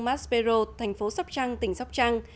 maspero thành phố sóc trăng tỉnh sóc trăng